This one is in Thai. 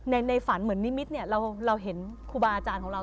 ในฝันเหมือนนิมิตเนี่ยเราเห็นครูบาอาจารย์ของเรา